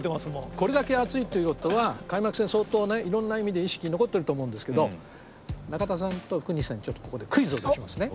これだけ熱いということは開幕戦相当ねいろんな意味で意識残ってると思うんですけど中田さんと福西さんにちょっとここでクイズを出しますね。